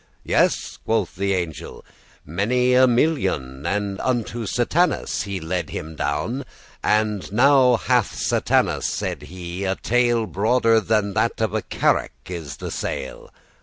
'Yes' quoth the angel; 'many a millioun:' And unto Satanas he led him down. 'And now hath Satanas,' said he, 'a tail Broader than of a carrack<1> is the sail.